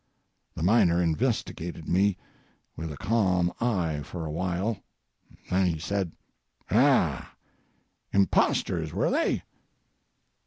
The miner investigated me with a calm eye for a while; then said he, "Ah! impostors, were they?